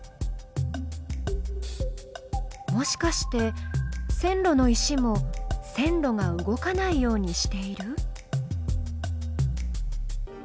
もしかして線路の石も線路が動かないようにしている？